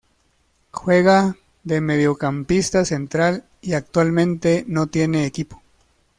Juega de mediocampista central y actualmente no tiene equipo.